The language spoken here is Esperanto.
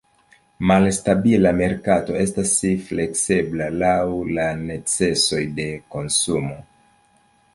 Malstabila merkato estas fleksebla, laŭ la necesoj de konsumo.